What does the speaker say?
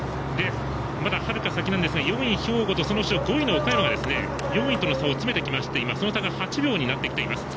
まだ、はるか先ですが４位、兵庫とその後ろ、５位の岡山が４位との差を詰めてきましてその差が８秒になっています。